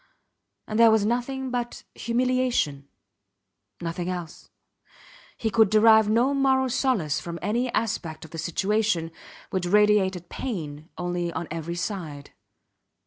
And there was nothing but humiliation. Nothing else. He could derive no moral solace from any aspect of the situation, which radiated pain only on every side.